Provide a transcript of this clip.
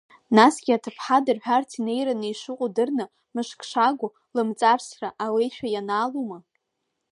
Насгьы аҭыԥҳа дырҳәарц инеираны ишыҟоу дырны, мышк шагу лымҵарсра алеишәа ианаалома?